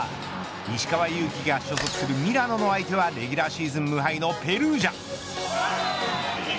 石川祐希が所属するミラノの相手はレギュラーシーズン無敗のペルージャ。